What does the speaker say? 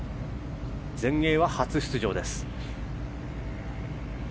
全英は初出場です。